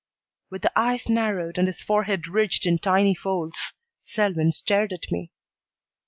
With eyes narrowed and his forehead ridged in tiny folds, Selwyn stared at me.